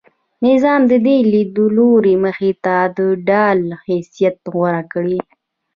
نظام د دې لیدلوري مخې ته د ډال حیثیت غوره کړی.